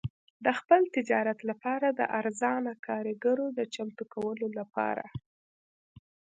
د خپل تجارت لپاره د ارزانه کارګرو د چمتو کولو لپاره.